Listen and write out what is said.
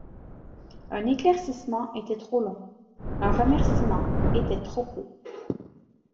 Un éclaircissement était trop long, un remercîment était trop peu.